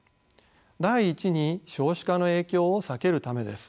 第一に少子化の影響を避けるためです。